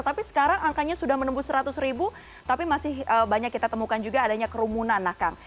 tapi sekarang angkanya sudah menembus seratus ribu tapi masih banyak kita temukan juga adanya kerumunan kang